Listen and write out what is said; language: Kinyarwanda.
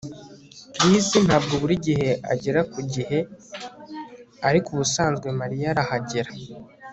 Chris ntabwo buri gihe agera ku gihe ariko ubusanzwe Mariya arahagera